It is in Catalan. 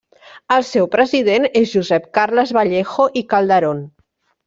El seu president és Josep Carles Vallejo i Calderón.